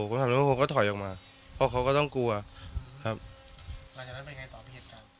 ก็ทำแล้วผมก็ถอยออกมาเพราะเขาก็ต้องกลัวครับหลังจากนั้นเป็นไงต่อเป็นเหตุการณ์